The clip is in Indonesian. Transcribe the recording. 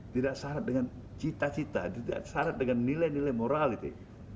tidak syarat dengan cita cita tidak syarat dengan nilai nilai moral itu